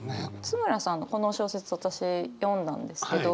津村さんのこの小説私読んだんですけど。